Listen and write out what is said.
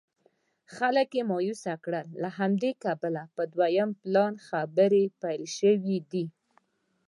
خلک یې مایوسه کړل له همدې کبله په دویم پلان خبرې پیل شوې دي.